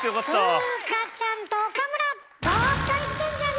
風花ちゃんと岡村！